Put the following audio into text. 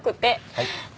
はい。